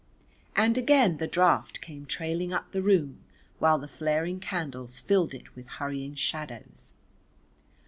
And again the draught came trailing up the room, while the flaring candles filled it with hurrying shadows.